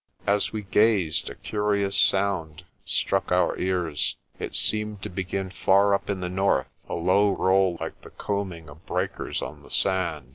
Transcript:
As we gazed a curious sound struck our ears. It seemed to begin far up in the north a low roll like the combing of breakers on the sand.